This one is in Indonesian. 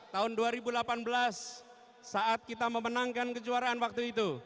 tahun dua ribu delapan belas saat kita memenangkan kejuaraan waktu itu